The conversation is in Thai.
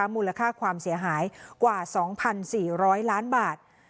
มูลค่าความเสียหายกว่า๒๔๐๐ล้านบาท